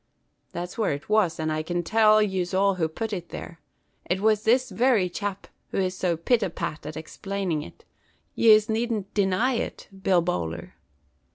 That's where it was; and I can tell yez all who putt it there. It was this very chap who is so pit a pat at explainin' it. Yez needn't deny it, Bill Bowler.